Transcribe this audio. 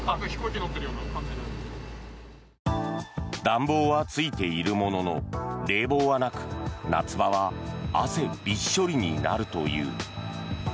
暖房はついているものの冷房はなく夏場は汗びっしょりになるという。